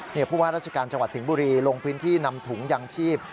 เพราะว่าราชการจังหวัดสิงห์บุรีลงพื้นที่นำถุงยางชีพ